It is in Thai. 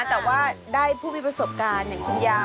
แต่ว่าได้ผู้มีประสบการณ์อย่างคุณยาย